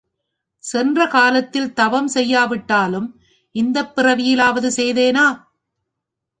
சென்ற காலத்தில் தவம் செய்யாவிட்டாலும், இந்தப் பிறவியிலாவது செய்தேனா?